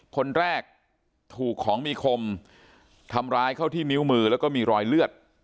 คนแรกถูกของมีคมทำร้ายเข้าที่นิ้วมือแล้วก็มีรอยเลือด